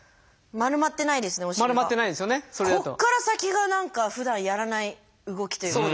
ここから先が何かふだんやらない動きというか。